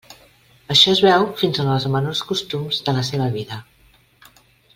Això es veu fins en els menors costums de la seva vida.